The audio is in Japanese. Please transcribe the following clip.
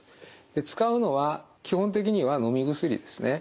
使うのは基本的にはのみ薬ですね。